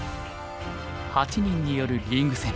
８人によるリーグ戦。